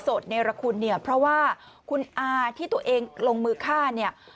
เนรคุณเนี่ยเพราะว่าคุณอาที่ตัวเองลงมือฆ่าเนี่ย